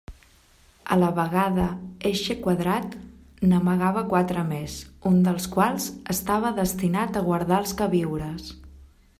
A la vegada eixe quadrat n'amagava quatre més, un dels quals estava destinat a guardar els queviures.